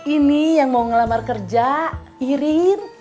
ini yang mau ngelamar kerja irin